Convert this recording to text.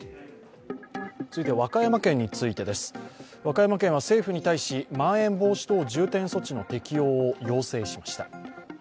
続いては和歌山県についてです和歌山県は政府に対しまん延防止等重点措置の適用を要請しました。